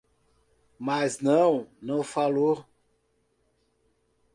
Mas não; não falou